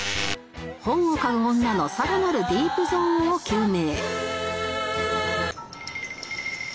本を嗅ぐ女のさらなるディープゾーンを究明